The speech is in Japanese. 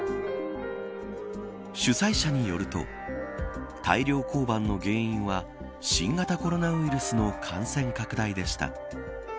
主催者によると大量降板の原因は新型コロナウイルスの感染拡大でした。